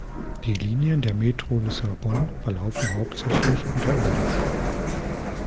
Die Linien der Metro Lissabon verlaufen hauptsächlich unterirdisch.